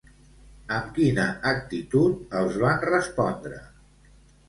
Amb quina actitud els van respondre?